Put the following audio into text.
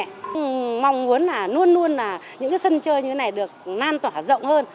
tôi mong muốn là luôn luôn là những cái sân chơi như thế này được nan tỏa rộng hơn